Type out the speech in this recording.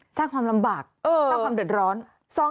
สร้างความลำบากสร้างความเดือดร้อน